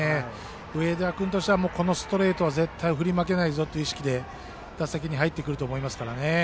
上田君としてはストレートは絶対振り負けないぞという意識で打席に入ってくると思います。